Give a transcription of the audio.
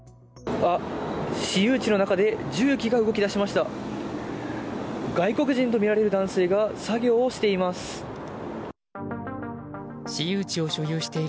私有地の中で重機が動き出しました。